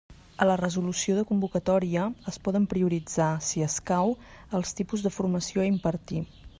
A la resolució de convocatòria es poden prioritzar, si escau, els tipus de formació a impartir.